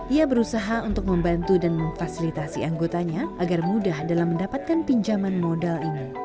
ia berusaha untuk membantu dan memfasilitasi anggotanya agar mudah dalam mendapatkan pinjaman modal ini